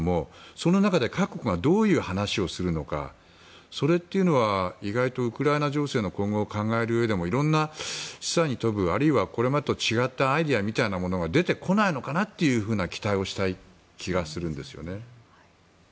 その中で、各国がどういう話をするのかは意外とウクライナ情勢の今後を考えるうえでも示唆に富むこれまでと違ったアイデアみたいなものが出てこないのかなと期待したい気がするんですね。